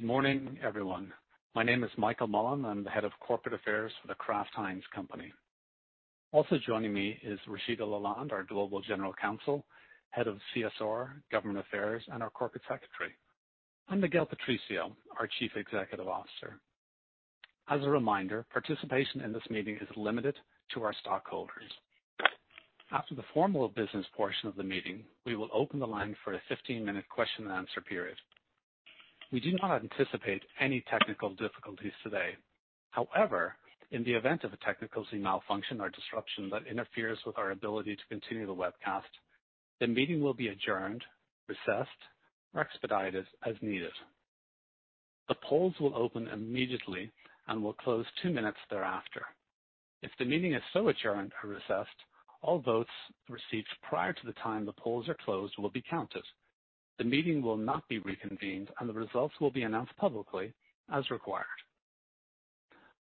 Morning, everyone. My name is Michael Mullen. I'm the Head of Corporate Affairs for The Kraft Heinz Company. Also joining me is Rashida La Lande, our Global General Counsel, Head of CSR, Government Affairs, and our corporate secretary, and Miguel Patricio, our Chief Executive Officer. As a reminder, participation in this meeting is limited to our stockholders. After the formal business portion of the meeting, we will open the line for a 15-minute question and answer period. We do not anticipate any technical difficulties today. However, in the event of a technical malfunction or disruption that interferes with our ability to continue the webcast, the meeting will be adjourned, recessed, or expedited as needed. The polls will open immediately and will close two minutes thereafter. If the meeting is so adjourned or recessed, all votes received prior to the time the polls are closed will be counted. The meeting will not be reconvened, and the results will be announced publicly as required.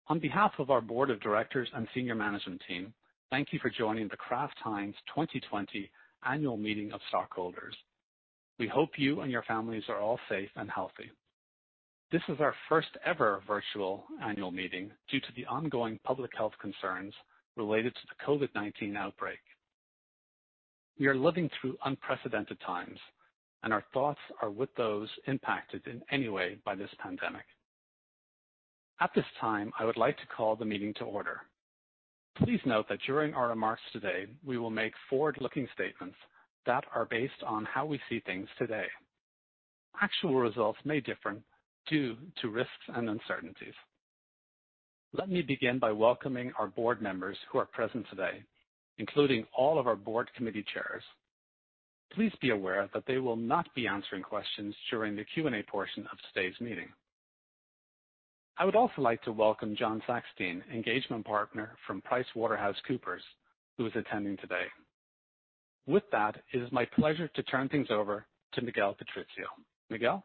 On behalf of our board of directors and senior management team, thank you for joining the Kraft Heinz 2020 Annual Meeting of Stockholders. We hope you and your families are all safe and healthy. This is our first ever virtual annual meeting due to the ongoing public health concerns related to the COVID-19 outbreak. We are living through unprecedented times, and our thoughts are with those impacted in any way by this pandemic. At this time, I would like to call the meeting to order. Please note that during our remarks today, we will make forward-looking statements that are based on how we see things today. Actual results may differ due to risks and uncertainties. Let me begin by welcoming our board members who are present today, including all of our board committee chairs. Please be aware that they will not be answering questions during the Q&A portion of today's meeting. I would also like to welcome John Sacksteder, engagement partner from PricewaterhouseCoopers, who is attending today. With that, it is my pleasure to turn things over to Miguel Patricio. Miguel?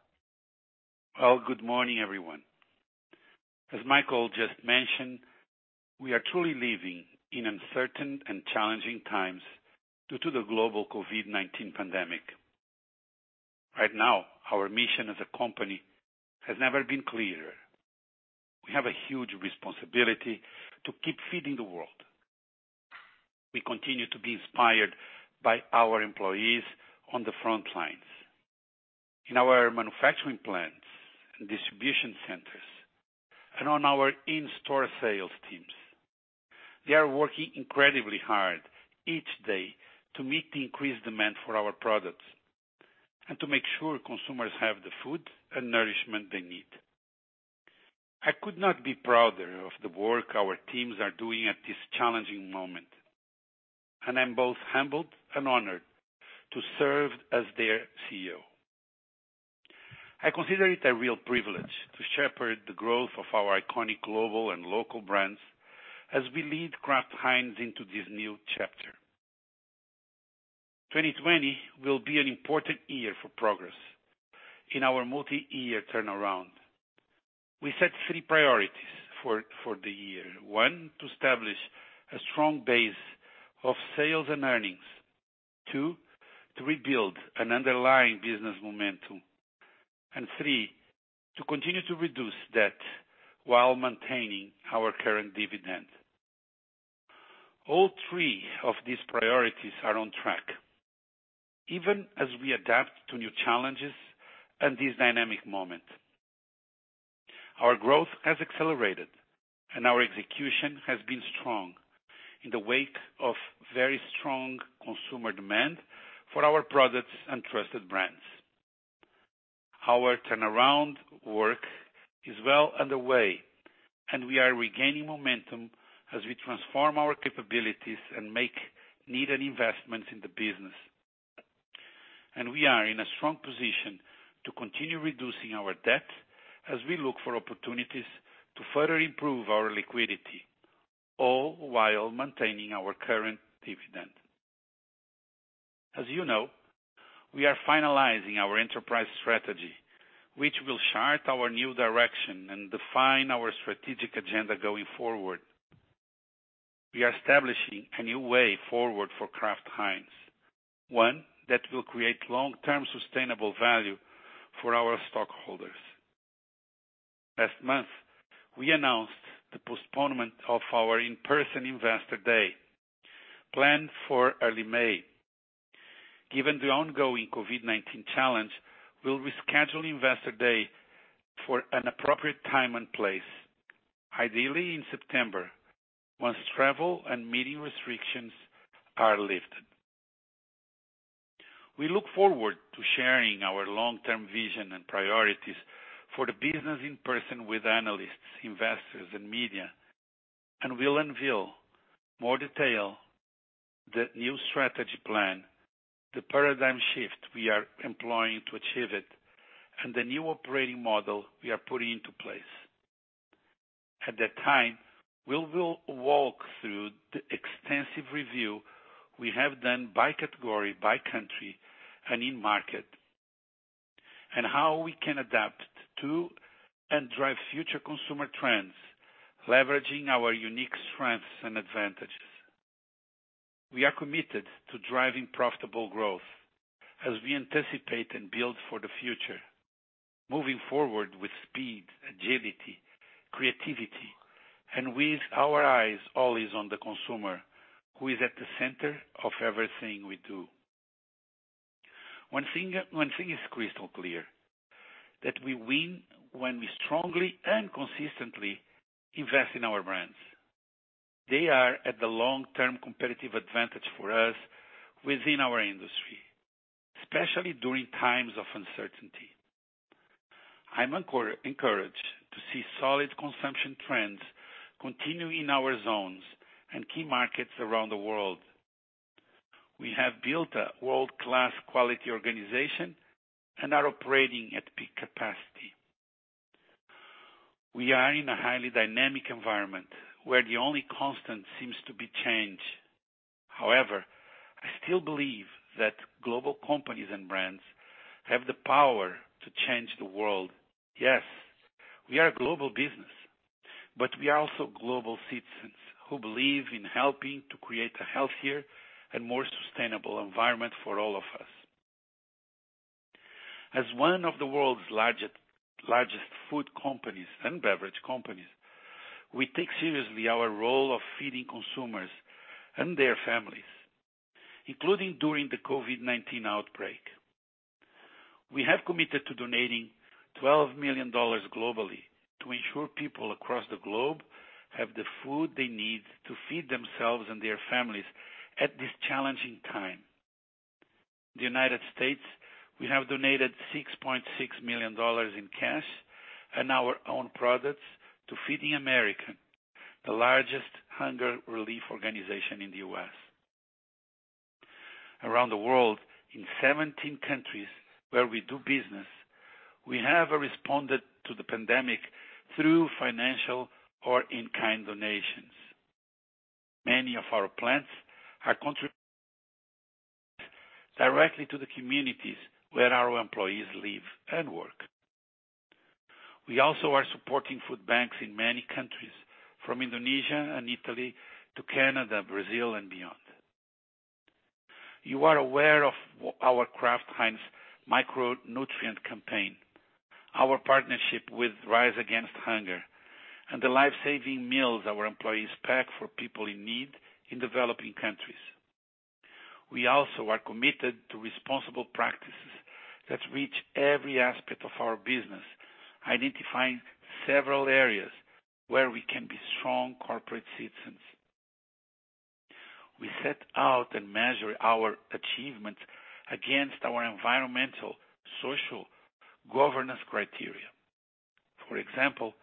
Well, good morning, everyone. As Michael just mentioned, we are truly living in uncertain and challenging times due to the global COVID-19 pandemic. Right now, our mission as a company has never been clearer. We have a huge responsibility to keep feeding the world. We continue to be inspired by our employees on the front lines, in our manufacturing plants and distribution centers, and on our in-store sales teams. They are working incredibly hard each day to meet the increased demand for our products and to make sure consumers have the food and nourishment they need. I could not be prouder of the work our teams are doing at this challenging moment, and I'm both humbled and honored to serve as their CEO. I consider it a real privilege to shepherd the growth of our iconic global and local brands as we lead Kraft Heinz into this new chapter. 2020 will be an important year for progress in our multi-year turnaround. We set three priorities for the year. One, to establish a strong base of sales and earnings. Two, to rebuild an underlying business momentum. Three, to continue to reduce debt while maintaining our current dividend. All three of these priorities are on track, even as we adapt to new challenges at this dynamic moment. Our growth has accelerated, and our execution has been strong in the wake of very strong consumer demand for our products and trusted brands. Our turnaround work is well underway, and we are regaining momentum as we transform our capabilities and make needed investments in the business. We are in a strong position to continue reducing our debt as we look for opportunities to further improve our liquidity, all while maintaining our current dividend. As you know, we are finalizing our enterprise strategy, which will chart our new direction and define our strategic agenda going forward. We are establishing a new way forward for Kraft Heinz, one that will create long-term sustainable value for our stockholders. Last month, we announced the postponement of our in-person Investor Day planned for early May. Given the ongoing COVID-19 challenge, we'll reschedule Investor Day for an appropriate time and place, ideally in September, once travel and meeting restrictions are lifted. We look forward to sharing our long-term vision and priorities for the business in person with analysts, investors, and media, and we'll unveil more detail, the new strategy plan, the paradigm shift we are employing to achieve it, and the new operating model we are putting into place. At that time, we will walk through the extensive review we have done by category, by country, and in market, and how we can adapt to and drive future consumer trends, leveraging our unique strengths and advantages. We are committed to driving profitable growth as we anticipate and build for the future, moving forward with speed, agility, creativity, and with our eyes always on the consumer who is at the center of everything we do. One thing is crystal clear, that we win when we strongly and consistently invest in our brands. They are at the long-term competitive advantage for us within our industry, especially during times of uncertainty. I'm encouraged to see solid consumption trends continue in our zones and key markets around the world. We have built a world-class quality organization and are operating at peak capacity. We are in a highly dynamic environment where the only constant seems to be change. However, I still believe that global companies and brands have the power to change the world. Yes, we are a global business, but we are also global citizens who believe in helping to create a healthier and more sustainable environment for all of us. As one of the world's largest food companies and beverage companies, we take seriously our role of feeding consumers and their families, including during the COVID-19 outbreak. We have committed to donating $12 million globally to ensure people across the globe have the food they need to feed themselves and their families at this challenging time. In the U.S., we have donated $6.6 million in cash and our own products to Feeding America, the largest hunger relief organization in the U.S. Around the world, in 17 countries where we do business, we have responded to the pandemic through financial or in-kind donations. Many of our plants are contributing directly to the communities where our employees live and work. We also are supporting food banks in many countries, from Indonesia and Italy to Canada, Brazil, and beyond. You are aware of our Kraft Heinz micronutrient campaign, our partnership with Rise Against Hunger, and the life-saving meals our employees pack for people in need in developing countries. We also are committed to responsible practices that reach every aspect of our business, identifying several areas where we can be strong corporate citizens. We set out and measure our achievements against our environmental, social, governance criteria. For example,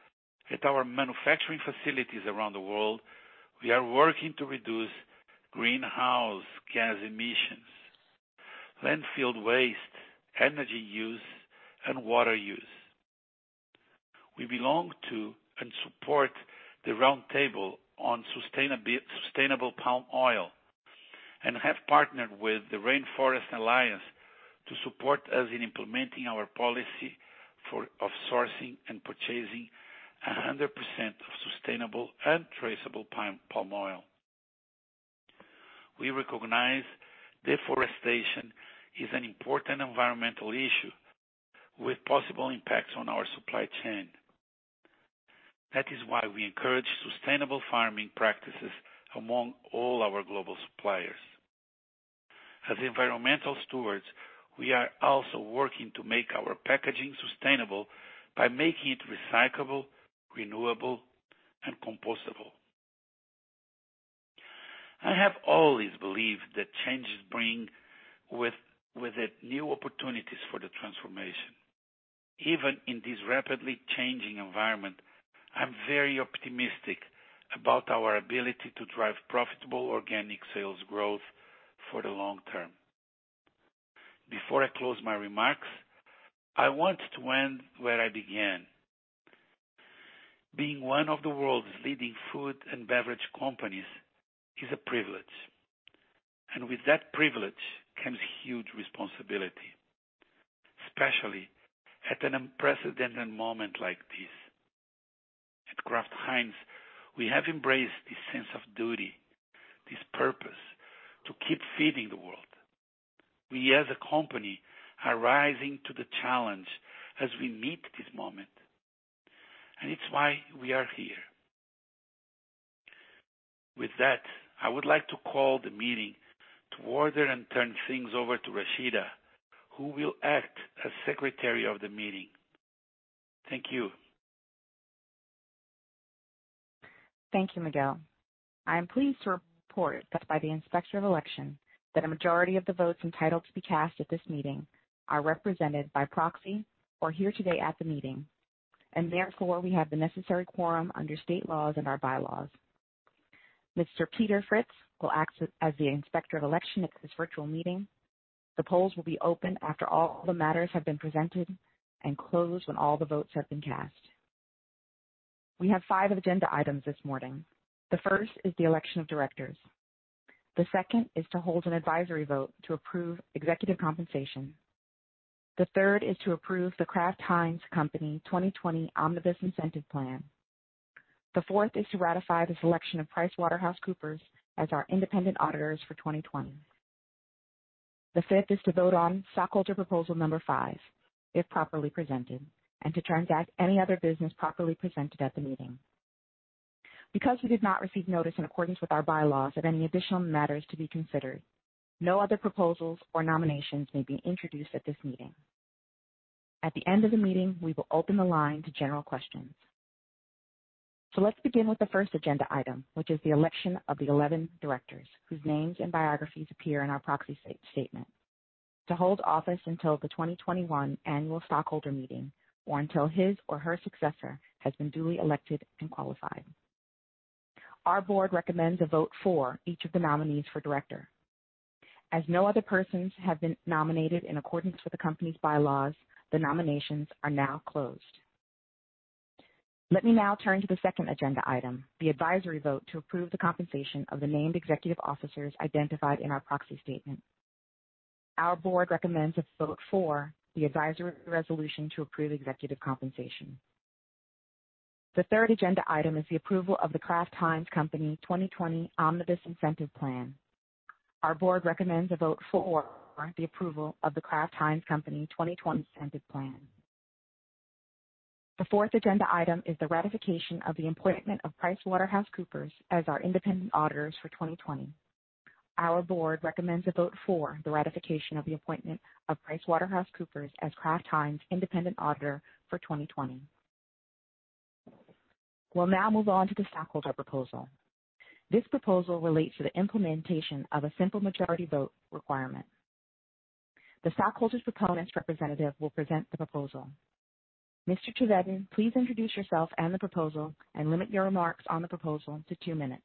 at our manufacturing facilities around the world, we are working to reduce greenhouse gas emissions, landfill waste, energy use, and water use. We belong to and support the roundtable on sustainable palm oil and have partnered with the Rainforest Alliance to support us in implementing our policy of sourcing and purchasing 100% of sustainable and traceable palm oil. We recognize deforestation is an important environmental issue with possible impacts on our supply chain. That is why we encourage sustainable farming practices among all our global suppliers. As environmental stewards, we are also working to make our packaging sustainable by making it recyclable, renewable, and compostable. I have always believed that changes bring with it new opportunities for the transformation. Even in this rapidly changing environment, I'm very optimistic about our ability to drive profitable organic sales growth for the long term. Before I close my remarks, I want to end where I began. Being one of the world's leading food and beverage companies is a privilege, and with that privilege comes huge responsibility, especially at an unprecedented moment like this. At Kraft Heinz, we have embraced this sense of duty, this purpose to keep feeding the world. We, as a company, are rising to the challenge as we meet this moment, and it's why we are here. With that, I would like to call the meeting to order and turn things over to Rashida, who will act as secretary of the meeting. Thank you. Thank you, Miguel. I am pleased to report that by the Inspector of Election, that a majority of the votes entitled to be cast at this meeting are represented by proxy or here today at the meeting, and therefore, we have the necessary quorum under state laws and our bylaws. Mr. Peter Fritz will act as the Inspector of Election at this virtual meeting. The polls will be open after all the matters have been presented and closed when all the votes have been cast. We have five agenda items this morning. The first is the election of directors. The second is to hold an advisory vote to approve executive compensation. The third is to approve The Kraft Heinz Company 2020 Omnibus Incentive Plan. The fourth is to ratify the selection of PricewaterhouseCoopers as our independent auditors for 2020. The fifth is to vote on stockholder proposal number 5 if properly presented, and to transact any other business properly presented at the meeting. Because we did not receive notice in accordance with our bylaws of any additional matters to be considered, no other proposals or nominations may be introduced at this meeting. At the end of the meeting, we will open the line to general questions. Let's begin with the first agenda item, which is the election of the 11 directors, whose names and biographies appear in our proxy statement, to hold office until the 2021 annual stockholder meeting, or until his or her successor has been duly elected and qualified. Our board recommends a vote for each of the nominees for director. As no other persons have been nominated in accordance with the company's bylaws, the nominations are now closed. Let me now turn to the second agenda item, the advisory vote to approve the compensation of the named executive officers identified in our proxy statement. Our board recommends a vote for the advisory resolution to approve executive compensation. The third agenda item is the approval of The Kraft Heinz Company 2020 Omnibus Incentive Plan. Our board recommends a vote for the approval of The Kraft Heinz Company 2020 Omnibus Incentive Plan. The fourth agenda item is the ratification of the appointment of PricewaterhouseCoopers as our independent auditors for 2020. Our board recommends a vote for the ratification of the appointment of PricewaterhouseCoopers as Kraft Heinz' independent auditor for 2020. We'll now move on to the stockholder proposal. This proposal relates to the implementation of a simple majority vote requirement. The stockholder's proponent representative will present the proposal. Mr. Chevedden, please introduce yourself and the proposal, and limit your remarks on the proposal to two minutes.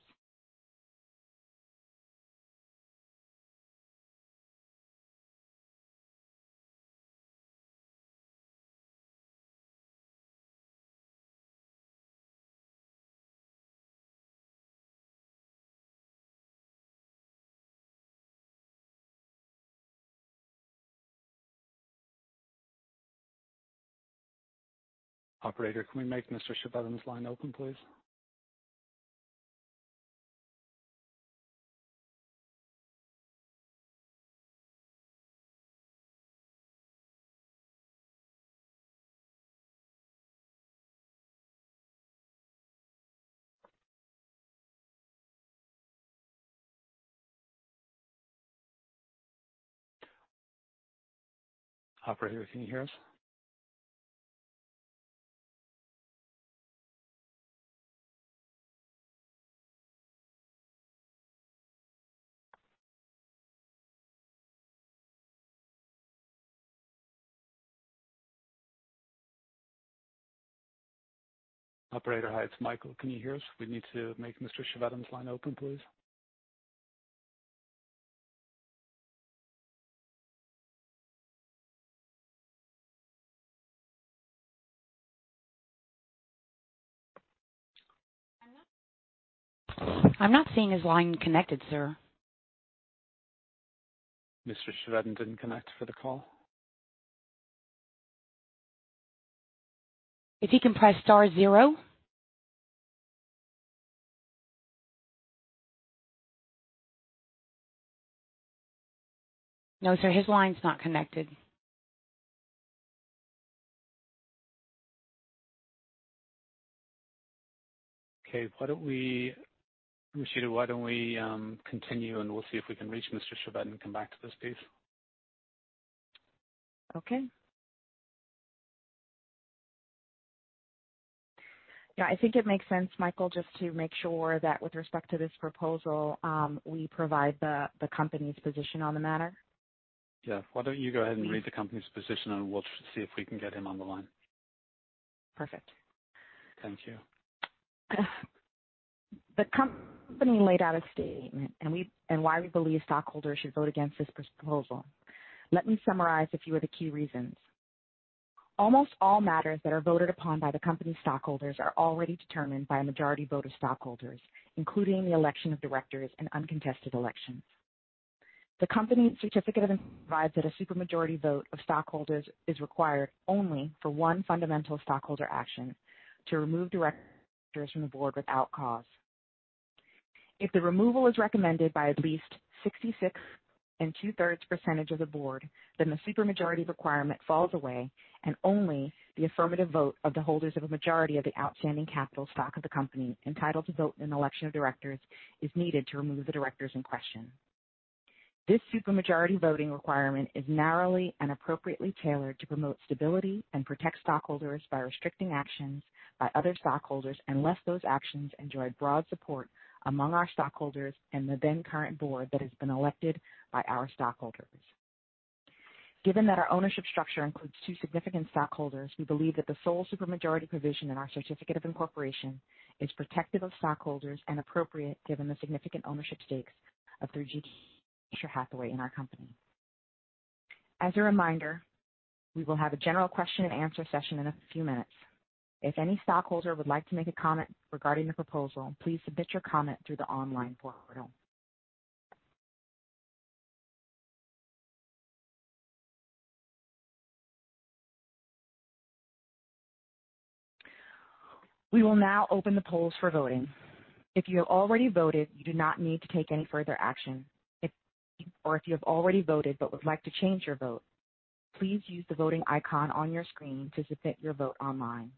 Operator, can we make Mr. Chevedden's line open, please? Operator, can you hear us? Operator, hi, it's Michael. Can you hear us? We need to make Mr. Chevedden's line open, please. I'm not seeing his line connected, sir. Mr. Chevedden didn't connect for the call. If he can press star zero. No, sir. His line's not connected. Okay. Rashida, why don't we continue, we'll see if we can reach Mr. Chevedden and come back to this, please. Okay. Yeah. I think it makes sense, Michael, just to make sure that with respect to this proposal, we provide the company's position on the matter. Yeah. Why don't you go ahead and read the company's position, and we'll see if we can get him on the line. Perfect. Thank you. The company laid out a statement and why we believe stockholders should vote against this proposal. Let me summarize a few of the key reasons. Almost all matters that are voted upon by the company stockholders are already determined by a majority vote of stockholders, including the election of directors and uncontested elections. The company certificate provides that a super majority vote of stockholders is required only for one fundamental stockholder action, to remove directors from the board without cause. If the removal is recommended by at least 66 and two-thirds% of the board, then the super majority requirement falls away, and only the affirmative vote of the holders of a majority of the outstanding capital stock of the company entitled to vote in election of directors is needed to remove the directors in question. This super majority voting requirement is narrowly and appropriately tailored to promote stability and protect stockholders by restricting actions by other stockholders unless those actions enjoy broad support among our stockholders and the then-current board that has been elected by our stockholders. Given that our ownership structure includes two significant stockholders, we believe that the sole super majority provision in our certificate of incorporation is protective of stockholders and appropriate given the significant ownership stakes of 3G and Berkshire Hathaway in our company. As a reminder, we will have a general question and answer session in a few minutes. If any stockholder would like to make a comment regarding the proposal, please submit your comment through the online portal. We will now open the polls for voting. If you have already voted, you do not need to take any further action. If you have already voted but would like to change your vote, please use the voting icon on your screen to submit your vote online.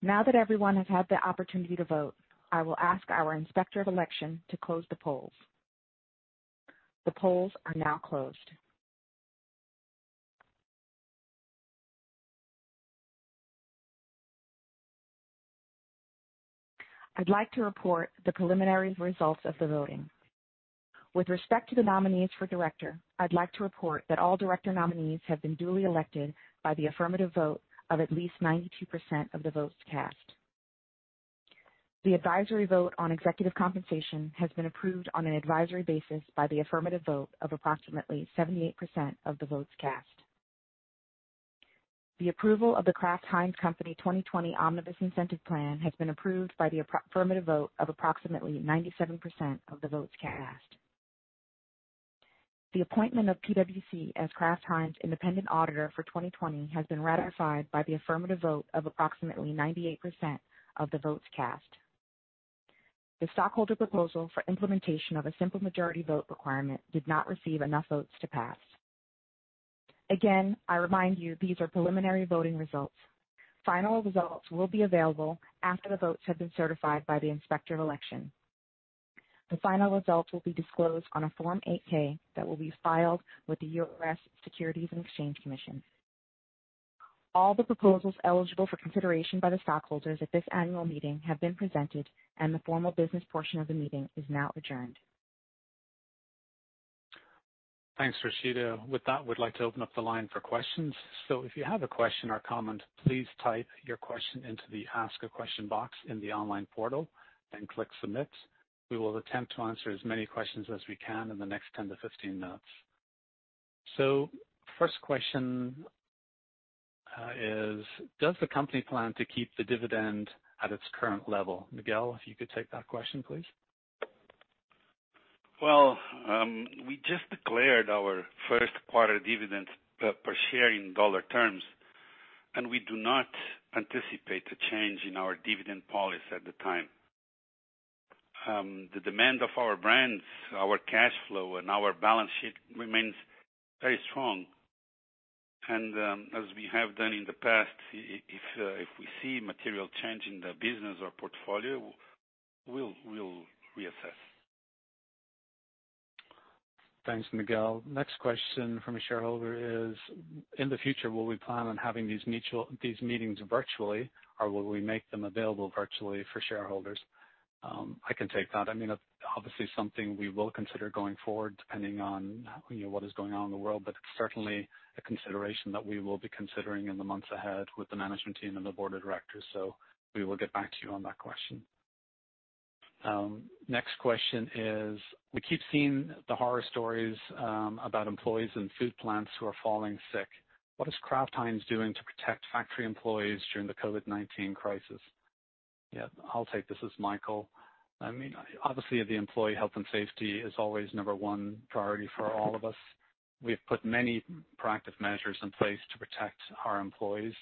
Now that everyone has had the opportunity to vote, I will ask our Inspector of Election to close the polls. The polls are now closed. I'd like to report the preliminary results of the voting. With respect to the nominees for director, I'd like to report that all director nominees have been duly elected by the affirmative vote of at least 92% of the votes cast. The advisory vote on executive compensation has been approved on an advisory basis by the affirmative vote of approximately 78% of the votes cast. The approval of The Kraft Heinz Company 2020 Omnibus Incentive Plan has been approved by the affirmative vote of approximately 97% of the votes cast. The appointment of PwC as Kraft Heinz independent auditor for 2020 has been ratified by the affirmative vote of approximately 98% of the votes cast. The stockholder proposal for implementation of a simple majority vote requirement did not receive enough votes to pass. I remind you these are preliminary voting results. Final results will be available after the votes have been certified by the Inspector of Election. The final results will be disclosed on a Form 8-K that will be filed with the U.S. Securities and Exchange Commission. All the proposals eligible for consideration by the stockholders at this annual meeting have been presented and the formal business portion of the meeting is now adjourned. Thanks, Rashida. With that, we'd like to open up the line for questions. If you have a question or comment, please type your question into the Ask a Question box in the online portal, and click Submit. We will attempt to answer as many questions as we can in the next 10-15 minutes. First question is, does the company plan to keep the dividend at its current level? Miguel, if you could take that question, please. Well, we just declared our first quarter dividend per share in dollar terms, we do not anticipate a change in our dividend policy at this time. The demand of our brands, our cash flow, and our balance sheet remains very strong. As we have done in the past, if we see a material change in the business or portfolio, we'll reassess. Thanks, Miguel. Next question from a shareholder is, in the future, will we plan on having these meetings virtually, or will we make them available virtually for shareholders? I can take that. Something we will consider going forward, depending on what is going on in the world. It's certainly a consideration that we will be considering in the months ahead with the management team and the board of directors. We will get back to you on that question. Next question is, we keep seeing the horror stories about employees in food plants who are falling sick. What is Kraft Heinz doing to protect factory employees during the COVID-19 crisis? Yeah, I'll take this. This is Michael. The employee health and safety is always number one priority for all of us. We've put many proactive measures in place to protect our employees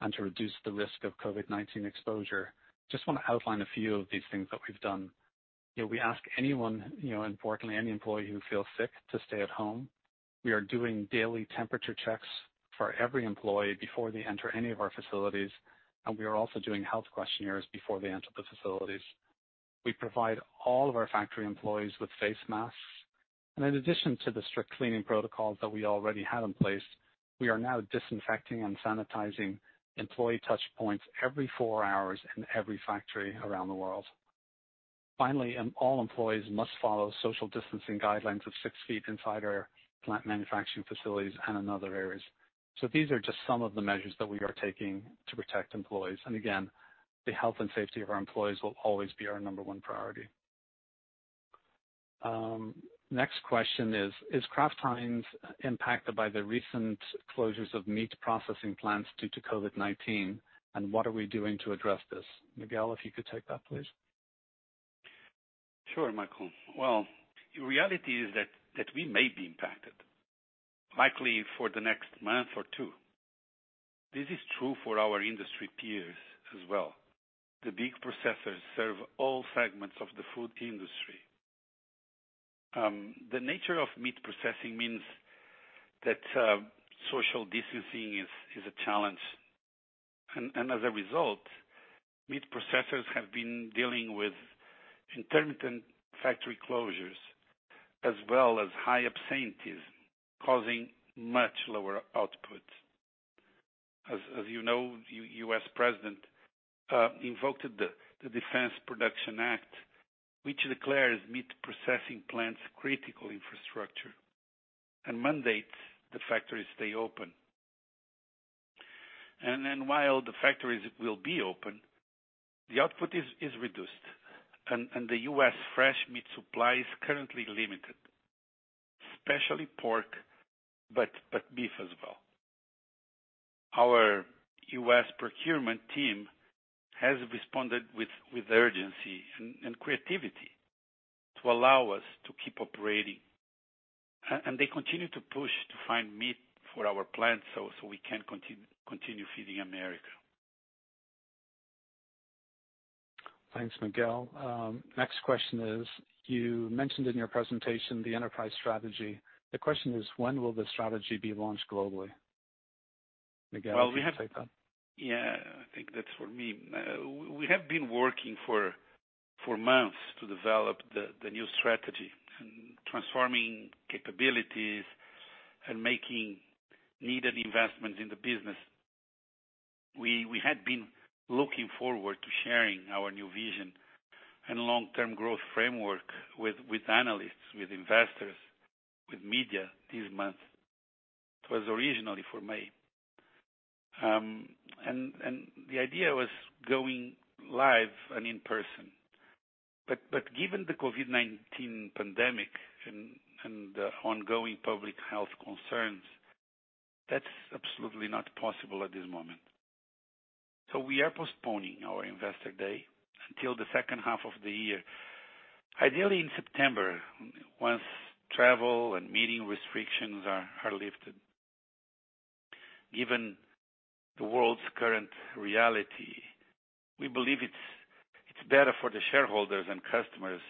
and to reduce the risk of COVID-19 exposure. Just want to outline a few of these things that we've done. We ask anyone, importantly, any employee who feels sick to stay at home. We are doing daily temperature checks for every employee before they enter any of our facilities, and we are also doing health questionnaires before they enter the facilities. We provide all of our factory employees with face masks. In addition to the strict cleaning protocols that we already had in place, we are now disinfecting and sanitizing employee touchpoints every four hours in every factory around the world. Finally, all employees must follow social distancing guidelines of 6 ft inside our plant manufacturing facilities and in other areas. These are just some of the measures that we are taking to protect employees. Again, the health and safety of our employees will always be our number one priority. Next question is Kraft Heinz impacted by the recent closures of meat processing plants due to COVID-19, and what are we doing to address this? Miguel, if you could take that, please. Sure, Michael. Well, the reality is that we may be impacted, likely for the next month or two. This is true for our industry peers as well. The big processors serve all segments of the food industry. The nature of meat processing means that social distancing is a challenge, and as a result, meat processors have been dealing with intermittent factory closures, as well as high absenteeism, causing much lower output. As you know, the U.S. president invoked the Defense Production Act, which declares meat processing plants critical infrastructure, and mandates that factories stay open. While the factories will be open, the output is reduced, and the U.S. fresh meat supply is currently limited, especially pork, but beef as well. Our U.S. procurement team has responded with urgency and creativity to allow us to keep operating. They continue to push to find meat for our plants so we can continue Feeding America. Thanks, Miguel. Next question is, you mentioned in your presentation the enterprise strategy. The question is, when will the strategy be launched globally? Miguel, can you take that? I think that's for me. We have been working for months to develop the new strategy and transforming capabilities and making needed investments in the business. We had been looking forward to sharing our new vision and long-term growth framework with analysts, with investors, with media this month. It was originally for May. The idea was going live and in person. Given the COVID-19 pandemic and the ongoing public health concerns, that's absolutely not possible at this moment. We are postponing our investor day until the second half of the year, ideally in September, once travel and meeting restrictions are lifted. Given the world's current reality, we believe it's better for the shareholders and customers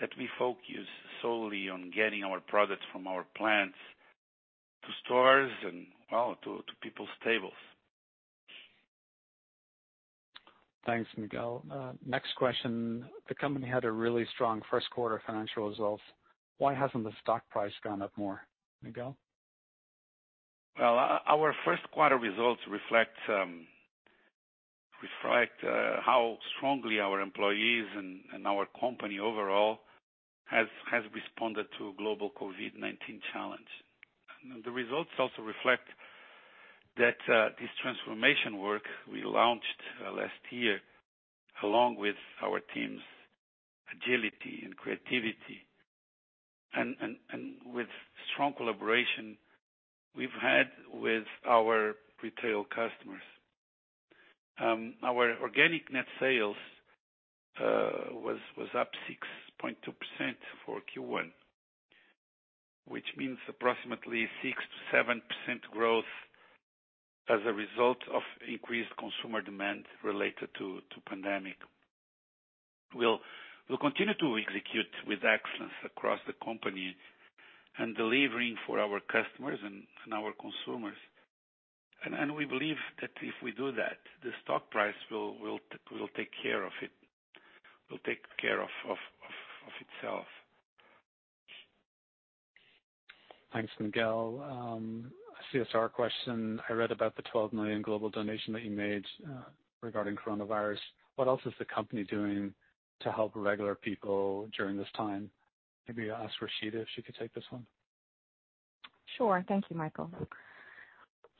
that we focus solely on getting our products from our plants to stores and to people's tables. Thanks, Miguel. Next question. The company had a really strong first quarter financial results. Why hasn't the stock price gone up more? Miguel? Well, our first quarter results reflect how strongly our employees and our company overall has responded to global COVID-19 challenge. The results also reflect that this transformation work we launched last year, along with our team's agility and creativity, and with strong collaboration we've had with our retail customers. Our organic net sales was up 6.2% for Q1, which means approximately 6%-7% growth as a result of increased consumer demand related to pandemic. We'll continue to execute with excellence across the company and delivering for our customers and our consumers. We believe that if we do that, the stock price will take care of itself. Thanks, Miguel. A CSR question. I read about the $12 million global donation that you made regarding COVID-19. What else is the company doing to help regular people during this time? Maybe ask Rashida if she could take this one. Sure. Thank you, Michael.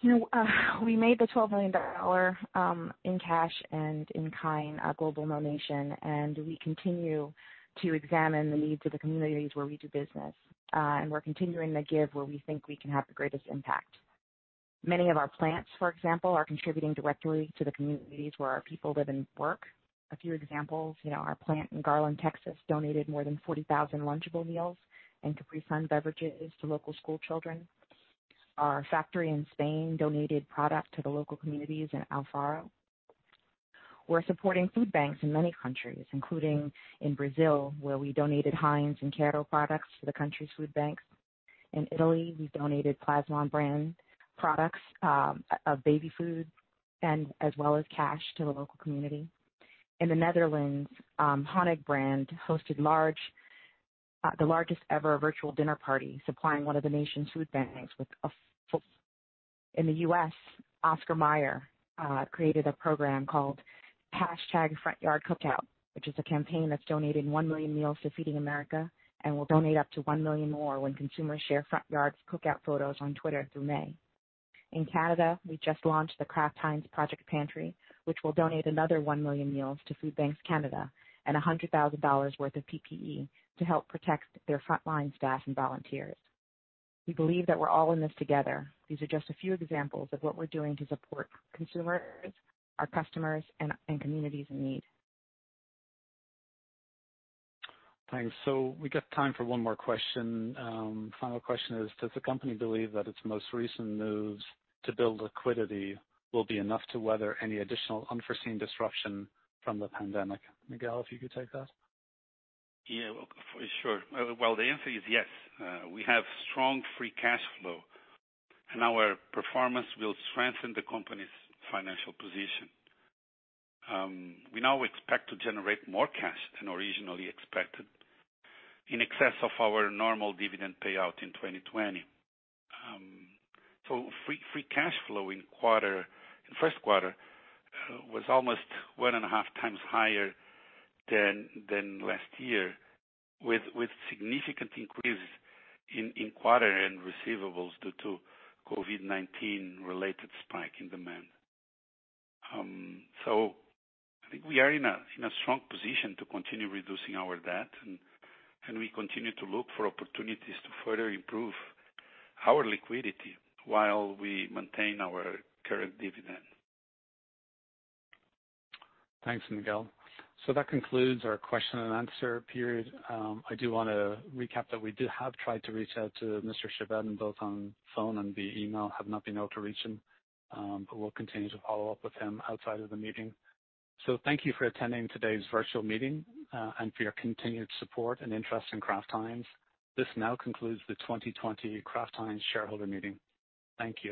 We made the $12 million in cash and in kind a global donation. We continue to examine the needs of the communities where we do business. We're continuing to give where we think we can have the greatest impact. Many of our plants, for example, are contributing directly to the communities where our people live and work. A few examples, our plant in Garland, Texas, donated more than 40,000 Lunchables meals and Capri Sun beverages to local school children. Our factory in Spain donated product to the local communities in Alfaro. We're supporting food banks in many countries, including in Brazil, where we donated Heinz and Quero products to the country's food banks. In Italy, we donated Plasmon brand products of baby food and as well as cash to the local community. In the Netherlands, Honig brand hosted the largest ever virtual dinner party, supplying one of the nation's food banks with. In the U.S., Oscar Mayer created a program called #FrontYardCookout, which is a campaign that's donating 1 million meals to Feeding America and will donate up to 1 million more when consumers share front yard cookout photos on Twitter through May. In Canada, we just launched the Kraft Heinz Project Pantry, which will donate another 1 million meals to Food Banks Canada and $100,000 worth of PPE to help protect their frontline staff and volunteers. We believe that we're all in this together. These are just a few examples of what we're doing to support consumers, our customers, and communities in need. Thanks. We got time for one more question. Final question is, does the company believe that its most recent moves to build liquidity will be enough to weather any additional unforeseen disruption from the pandemic? Miguel, if you could take that. For sure. The answer is yes. We have strong free cash flow, and our performance will strengthen the company's financial position. We now expect to generate more cash than originally expected, in excess of our normal dividend payout in 2020. Free cash flow in first quarter was almost 1.5x higher than last year, with significant increases in quarter-end receivables due to COVID-19 related spike in demand. I think we are in a strong position to continue reducing our debt, and we continue to look for opportunities to further improve our liquidity while we maintain our current dividend. Thanks, Miguel. That concludes our question and answer period. I do want to recap that we have tried to reach out to Mr. Chevedden both on phone and via email, have not been able to reach him. We'll continue to follow up with him outside of the meeting. Thank you for attending today's virtual meeting and for your continued support and interest in Kraft Heinz. This now concludes the 2020 Kraft Heinz shareholder meeting. Thank you.